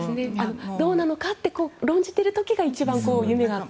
どうなのかと論じている時が一番夢があって。